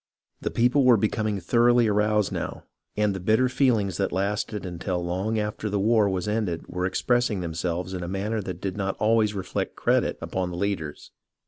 The people were becoming thoroughly aroused now, and the bitter feelings that lasted until long after the war was ended were expressing themselves in a manner that did not always reflect credit upon the leaders.